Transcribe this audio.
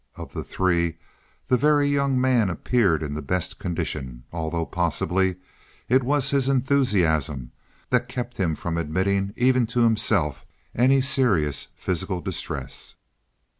Of the three, the Very Young Man appeared in the best condition, although possibly it was his enthusiasm that kept him from admitting even to himself any serious physical distress.